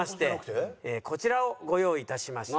こちらをご用意致しました。